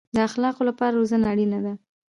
د اخلاقو لپاره روزنه اړین ده